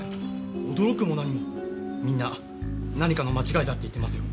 驚くも何もみんな何かの間違いだって言ってますよ。